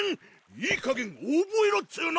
いいかげんおぼえろっつうの！